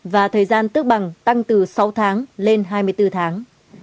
và thời gian tức bằng tăng từ sáu tháng lên hai mươi bốn tháng